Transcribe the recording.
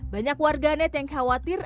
banyak warganet yang khawatir